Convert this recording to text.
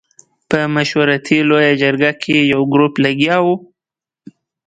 په مشورتي لویه جرګه کې یو ګروپ لګیا وو.